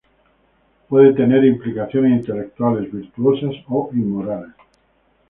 Puede tener implicaciones intelectuales, virtuosas o inmorales.